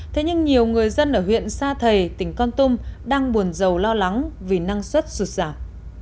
thế nhưng nhiều người dân ở huyện sa thầy tỉnh con tum đang buồn giàu lo lắng vì năng suất sụt giảm